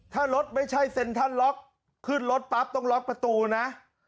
ถ้ารถไม่ใช่เซ็นทรัลล็อกขึ้นรถปั๊บต้องล็อกประตูนะ